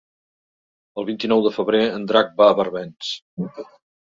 El vint-i-nou de febrer en Drac va a Barbens.